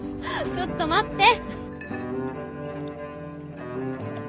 ちょっと待って。